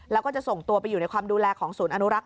แล้วก็จะส่งตัวไปอยู่ในความดูแลของศูนย์อนุรักษ์